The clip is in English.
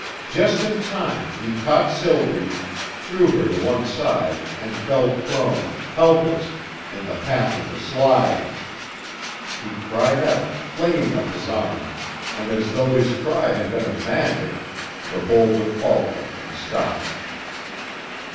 Just in time he caught Sylvie, threw her to one side and fell prone, helpless, in the path of the slide. He cried out, flinging up his arm, and, as though his cry had been of magic, the boulder faltered and stopped.